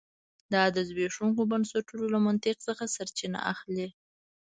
دا د زبېښونکو بنسټونو له منطق څخه سرچینه اخلي